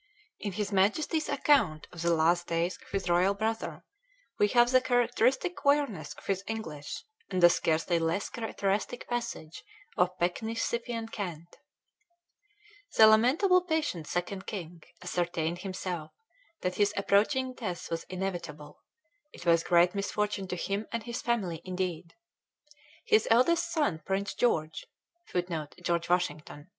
In his Majesty's account of the last days of his royal brother, we have the characteristic queerness of his English, and a scarcely less characteristic passage of Pecksniffian cant: "The lamentable patient Second King ascertained himself that his approaching death was inevitable; it was great misfortune to him and his family indeed. His eldest son Prince George [Footnote: George Washington.